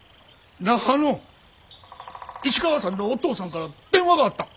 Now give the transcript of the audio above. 那覇の石川さんのお父さんから電話があった。